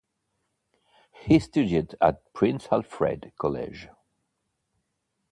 He studied at Prince Alfred College.